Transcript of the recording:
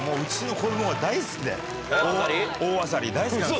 大あさり大好きなんですよ。